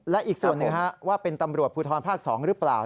และอีกส่วนหนึ่งว่าเป็นตำรวจภูทรภาค๒หรือเปล่า